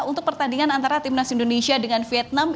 untuk pertandingan antara timnas indonesia dengan vietnam